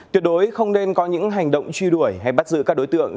tuyệt đối không nên có những hành động truy đuổi hay bắt giữ các đối tượng